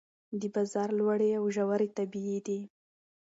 د بازار لوړې او ژورې طبیعي دي.